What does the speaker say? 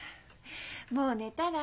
もう寝たら？